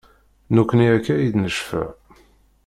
Nekni akka i d-necfa.